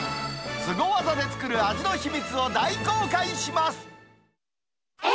すご技で作る味の秘密を大公開します。